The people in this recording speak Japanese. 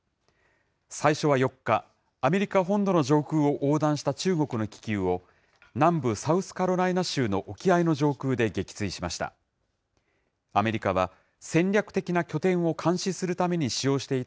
最初は４日、アメリカ本土の上空を横断した中国の気球を、南部サウスカロライナ州の沖合の上空で撃墜しました。